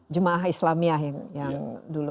jemaah islamiyah yang dulu